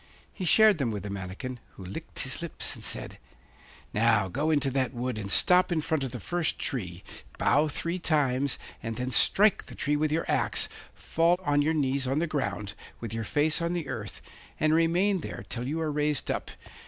He shared them with the manikin, who licked his lips and said: 'Now, go into that wood, and stop in front of the first tree, bow three times, and then strike the tree with your axe, fall on your knees on the ground, with your face on the earth, and remain there till you are raised up.